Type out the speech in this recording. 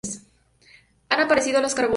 Han aparecido los carbones.